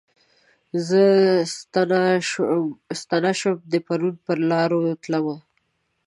زه ستنه شوم د پرون پرلارو تلمه